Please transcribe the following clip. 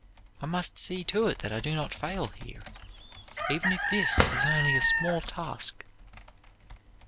I must see to it that I do not fail here, even if this is only a small task."